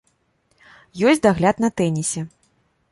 Ёсць дагляд на тэнісе.